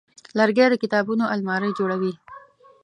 لرګی د کتابونو المارۍ جوړوي.